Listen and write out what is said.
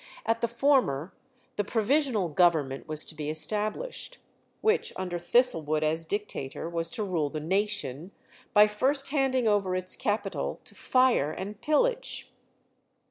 At the former the "Provisional Government" was to be established, which under Thistlewood as dictator was to rule the nation, by first handing over its capital to fire and pillage.